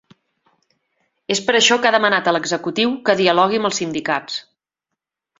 És per això que ha demanat a l’executiu que dialogui amb els sindicats.